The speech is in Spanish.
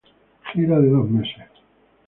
Gira de dos meses.